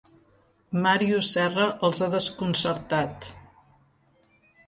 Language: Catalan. Màrius Serra els ha desconcertat.